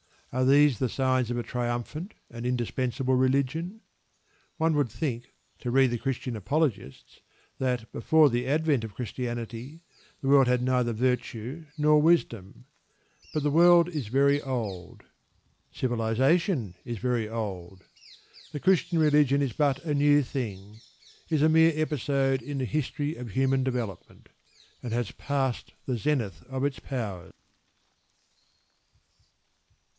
Are these the signs of a triumphant and indispensable religion? One would think, to read the Christian apologists, that before the advent of Christianity the world had neither virtue nor wisdom. But the world very old. Civilisation is very old. The Christian religion is but a new thing, is a mere episode in the history of human development, and has passed the zenith of its power.